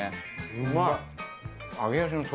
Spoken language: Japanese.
うまい。